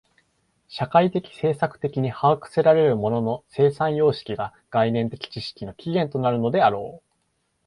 社会的制作的に把握せられる物の生産様式が概念的知識の起源となるのであろう。